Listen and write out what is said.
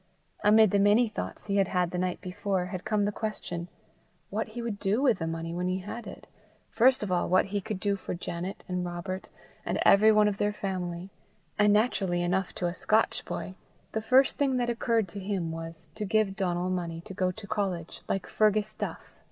Amid the many thoughts he had had the night before, had come the question what he would do with the money when he had it first of all what he could do for Janet and Robert and everyone of their family; and naturally enough to a Scotch boy, the first thing that occurred to him was, to give Donal money to go to college like Fergus Duff.